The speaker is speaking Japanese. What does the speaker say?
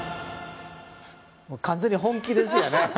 完全に本気ですよね。